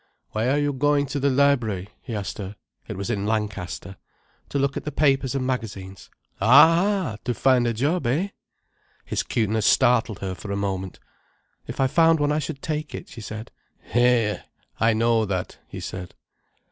"Why are you going to the library?" he asked her. It was in Lancaster. "To look at the papers and magazines." "Ha a! To find a job, eh?" His cuteness startled her for a moment. "If I found one I should take it," she said. "Hé! I know that," he said.